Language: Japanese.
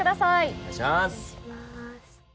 お願いします。